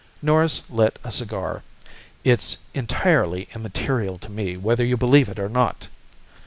Norris lit a cigar. "It's entirely immaterial to me whether you believe it or not."